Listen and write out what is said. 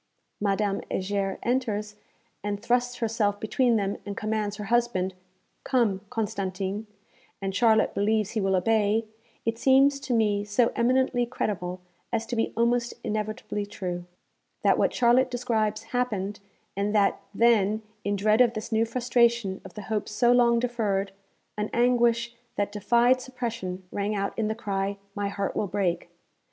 Madame Heger enters, and thrusts herself between them, and commands her husband, 'Come, Constantin,' and Charlotte believes he will obey, it seems to me so eminently credible as to be almost inevitably true, that what Charlotte describes happened, and that then, in dread of this new frustration of the hope so long deferred, an anguish that 'defied suppression' rang out in the cry 'My heart will break!'